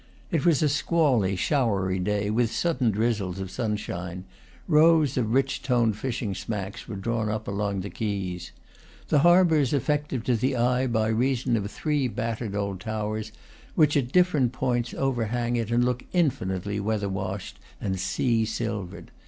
It was a squally, showery day, with sudden drizzles of sun shine; rows of rich toned fishing smacks were drawn up along the quays. The harbor is effective to the eye by reason of three battered old towers which, at different points, overhang it and look infinitely weather washed and sea silvered.